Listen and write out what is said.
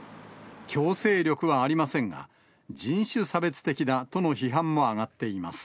強制力はありませんが、人種差別的だとの批判も上がっています。